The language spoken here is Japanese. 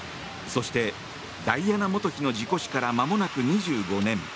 そしてダイアナ元妃の事故死からまもなく２５年。